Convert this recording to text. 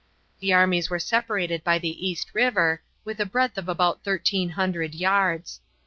The armies were separated by the East River, with a breadth of about thirteen hundred yards.